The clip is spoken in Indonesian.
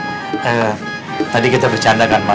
eh tadi kita bercanda kan ma